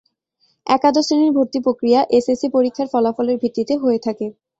একাদশ শ্রেনির ভর্তি প্রক্রিয়া এস এস সি পরীক্ষার ফলাফলের ভিত্তিতে হয়ে থাকে।